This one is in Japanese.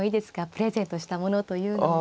プレゼントしたものというのは。